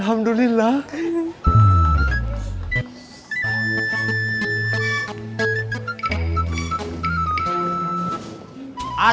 alhamdulillah kita dapat thr